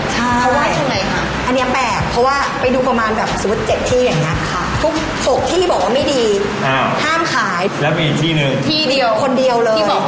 ทำไมเราเลือกที่จะเชื่อคนเดียว